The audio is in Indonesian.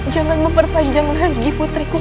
jangan memperpanjang lagi putriku